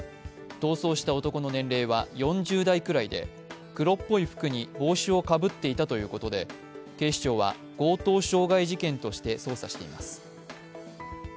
逃走した男の年齢は４０代くらいで黒っぽい服に帽子をかぶっていたということで警視庁は強盗傷害事件として捜査しています。